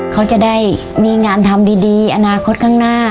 เขาจะได้มีงานทำดีอนาคตข้างหน้า